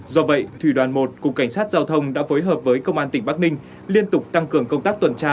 do vậy thủy đoàn một cục cảnh sát giao thông đã phối hợp với công an tỉnh bắc ninh liên tục tăng cường công tác tuần tra